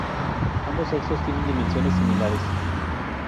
Ambos sexos tienen dimensiones similares.